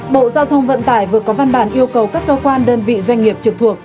bộ giao thông vận tải vừa có văn bản yêu cầu các cơ quan đơn vị doanh nghiệp trực thuộc